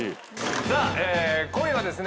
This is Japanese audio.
さあ今夜はですね